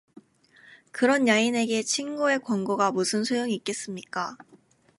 그런 야인에게 친구의 권고가 무슨 소용이 있겠습니까?